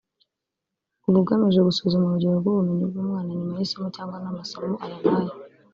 uba ugamije gusuzuma urugero rw’ubumenyi bw’umwana nyuma y’isomo cyangwa amasomo aya n’aya